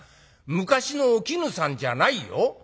昔のお絹さんじゃないよ。